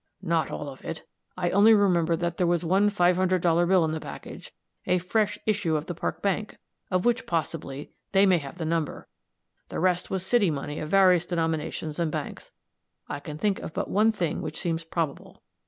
"Not all of it. I only remember that there was one five hundred dollar bill in the package, a fresh issue of the Park Bank, of which, possibly, they may have the number. The rest was city money of various denominations and banks. I can think of but one thing which seems probable.